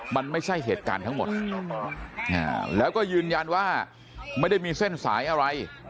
มันไม่ใช่เหตุการณ์ทั้งหมดแล้วก็ยืนยันว่าไม่ได้มีเส้นสายอะไร